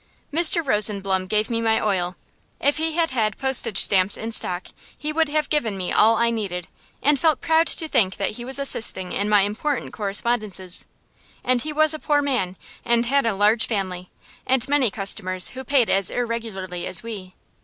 Mr. Rosenblum gave me my oil. If he had had postage stamps in stock, he would have given me all I needed, and felt proud to think that he was assisting in my important correspondences. And he was a poor man, and had a large family, and many customers who paid as irregularly as we.